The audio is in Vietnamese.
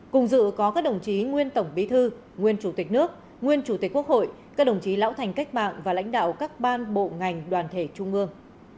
cùng dự có các đồng chí nguyên tổng bí thư nguyên chủ tịch nước nguyên chủ tịch quốc hội các đồng chí lão thành cách mạng và lãnh đạo các ban bộ ngành đoàn thể trung ương